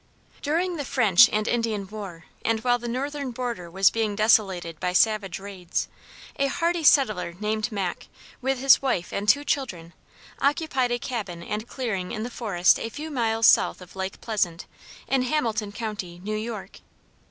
During the French and Indian war, and while the northern border was being desolated by savage raids, a hardy settler named Mack, with his wife and two children, occupied a cabin and clearing in the forest a few miles south of Lake Pleasant, in Hamilton County, New York.